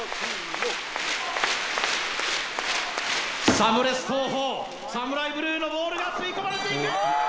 サムレス投法、ＳＡＭＵＲＡＩＢＬＵＥのボールが吸い込まれていく！